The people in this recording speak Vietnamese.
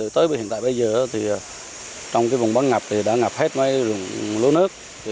tới hiện tại bây giờ thì trong vùng bán ngập thì đã ngập hết mấy rừng lúa nước